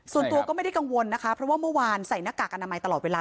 ส่วนตัวก็ไม่ได้กังวลนะคะเพราะว่าเมื่อวานใส่หน้ากากอนามัยตลอดเวลา